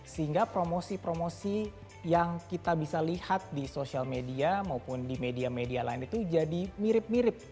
sehingga promosi promosi yang kita bisa lihat di sosial media maupun di media media lain itu jadi mirip mirip